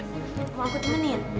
mau aku temenin